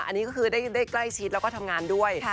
อันนี้ก็คือได้ใกล้ชิดแล้วก็ทำงานด้วย